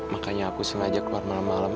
makanya aku sengaja keluar malem malem